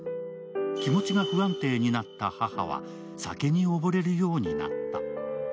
気持ちが不安定になった母は酒におぼれるようになった。